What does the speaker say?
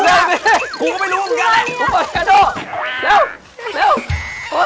ผมไม่รู้เหมือนกันเน่ะทำไม